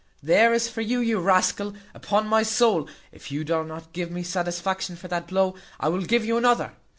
There is for you, you rascal. Upon my soul, if you do not give me satisfaction for that blow, I will give you another."